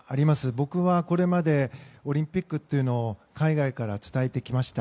僕はこれまでオリンピックというのを海外から伝えてきました。